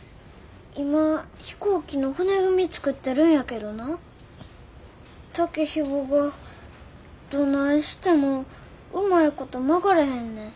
今飛行機の骨組み作ってるんやけどな竹ひごがどないしてもうまいこと曲がれへんねん。